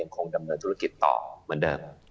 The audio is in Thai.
คงดำเนินธุรกิจต่อเหมือนเดิม